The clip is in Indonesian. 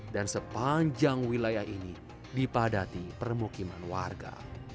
dan sepanjang wilayah ini dipadati permukiman warga